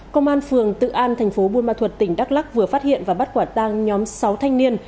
công an phường tự an thành phố buôn ma thuật tỉnh đắk lắc vừa phát hiện và bắt quả tang nhóm sáu thanh niên